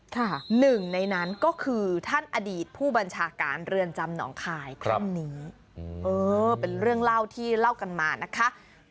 หนึ่งในนั้นก็คือท่านอดีตผู้บัญชาการเรือนจำหนองคายท่านนี้เออเป็นเรื่องเล่าที่เล่ากันมานะคะ